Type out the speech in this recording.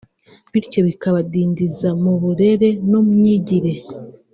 bityo bikabadindiza mu burere no myigire